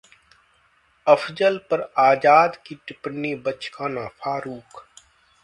अफजल पर आजाद की टिप्पणी बचकाना: फारूक